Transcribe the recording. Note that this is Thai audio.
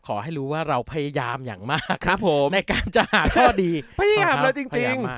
ขอให้รู้ว่าเราพยายามอย่างมากครับผมในการจะหาข้อดีพยายามเลยจริง